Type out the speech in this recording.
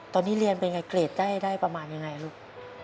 ตอนนี้เรียนเป็นไงเกรดได้ประมาณยังไงลูก